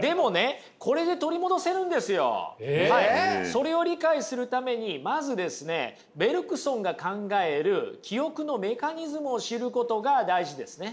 それを理解するためにまずですねベルクソンが考える記憶のメカニズムを知ることが大事ですね。